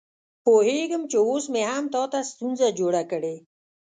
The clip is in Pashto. پوهېږم چې اوس مې هم تا ته ستونزه جوړه کړې.